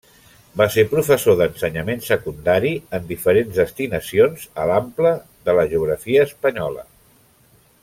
Va ser professor d'ensenyament secundari en diferents destinacions a l'ample de la geografia espanyola.